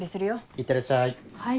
いってらっしゃい。